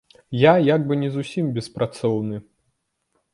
Я як бы не зусім беспрацоўны.